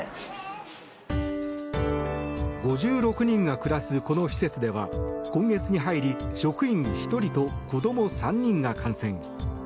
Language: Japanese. ５６人が暮らすこの施設では今月に入り職員１人と子ども３人が感染。